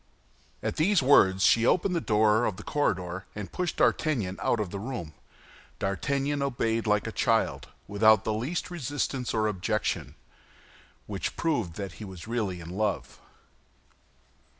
At these words she opened the door of the corridor, and pushed D'Artagnan out of the room. D'Artagnan obeyed like a child, without the least resistance or objection, which proved that he was really in love.